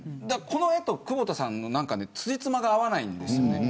この絵と久保田さんのつじつまが合わないんです。